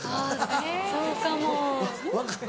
そうかも。